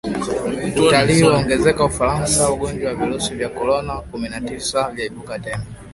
Utalii waongezeka Ufaransa ugonjwa wa virusi vya korona kumi na tisa vyaibuka tena.